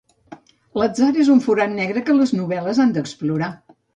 L'atzar és un forat negre que les novel·les han d'explorar.